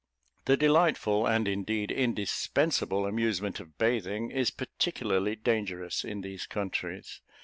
The delightful, and, indeed, indispensable amusement of bathing, is particularly dangerous in these countries.